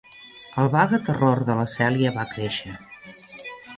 El vague terror de la Cèlia va créixer.